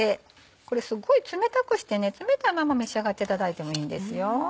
これすっごい冷たくして冷たいまま召し上がっていただいてもいいんですよ。